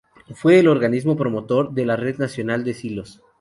Fue el organismo promotor de la Red Nacional de Silos.